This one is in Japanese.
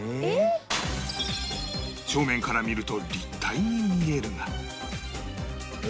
正面から見ると立体に見えるが